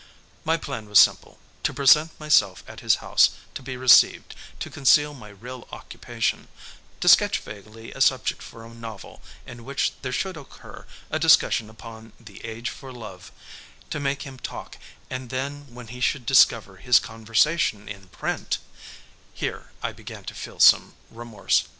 My plan was simple; to present myself at his house, to be received, to conceal my real occupation, to sketch vaguely a subject for a novel in which there should occur a discussion upon the Age for Love, to make him talk and then when he should discover his conversation in print here I began to feel some remorse.